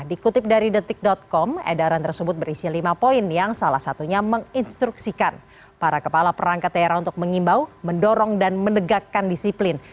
dikutip dari detik com edaran tersebut berisi lima poin yang salah satunya menginstruksikan para kepala perangkat daerah untuk mengimbau mendorong dan menegakkan disiplin